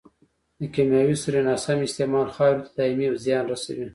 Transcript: د کيمیاوي سرې ناسم استعمال خاورې ته دائمي زیان رسوي.